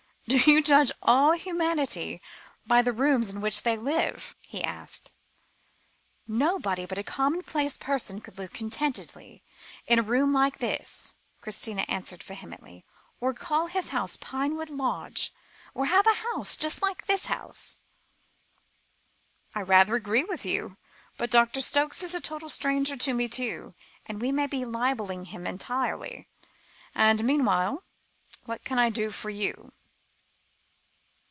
"Do you judge all humanity by the rooms in which it lives?" he asked. "Nobody but a commonplace person could live contentedly in a room like this," Christina answered vehemently, "or call his house Pinewood Lodge, or have a house just like this house." "I rather agree with you, but Doctor Stokes is a total stranger to me too; we may be libelling him entirely; and meanwhile, what can I do for you?